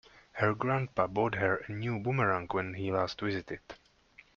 Her grandpa bought her a new boomerang when he last visited.